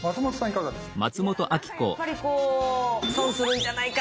いかがですか？